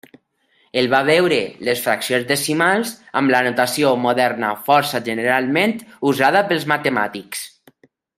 El va veure les fraccions decimals amb la notació moderna força generalment usada pels matemàtics.